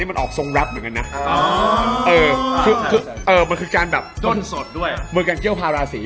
มือกับเกลี้ยวภราษี